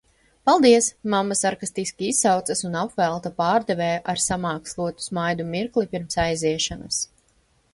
Paldies! mamma sarkastiski izsaucas un apvelta pārdevēju ar samākslotu smaidu mirkli pirms aiziešanas.